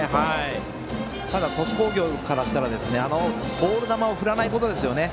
ただ、鳥栖工業からしたらボール球を振らないことですよね。